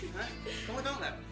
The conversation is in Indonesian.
hah kamu tau nggak